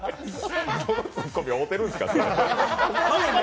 そのツッコミ合うてるんですか。